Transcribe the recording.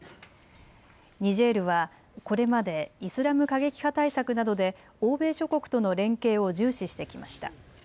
ニジェールはこれまでイスラム過激派対策などで欧米諸国との連携を重視してきました。